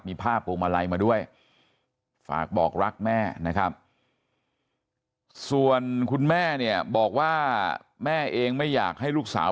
มีภาพพวงมาลัยมาด้วยฝากบอกรักแม่นะครับส่วนคุณแม่เนี่ยบอกว่าแม่เองไม่อยากให้ลูกสาว